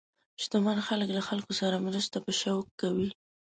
شتمن خلک له خلکو سره مرسته په شوق کوي.